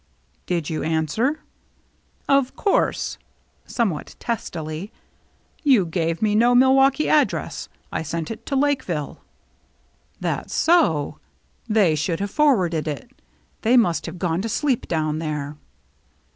" Did you answer ?" "Of course," somewhat testily. "You gave me no Milwaukee address. I sent it to Lakeville." THE CHASE BEGINS 233 " That so ? They should have forwarded it. They must have gone to sleep down there."